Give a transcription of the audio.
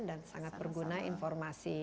dan sangat berguna informasi